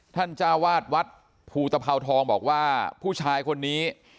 จ้าวาดวัดภูตภาวทองบอกว่าผู้ชายคนนี้